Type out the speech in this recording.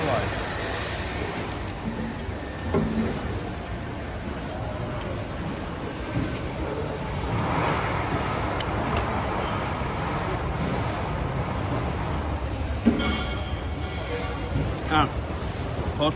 อ่าโทษสม